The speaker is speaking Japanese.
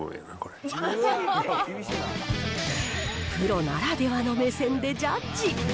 プロならではの目線でジャッジ。